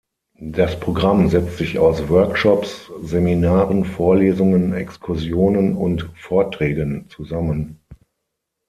Das Programm setzt sich aus Workshops, Seminaren, Vorlesungen, Exkursionen und Vorträgen zusammen.